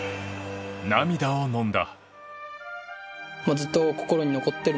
涙をのんだ。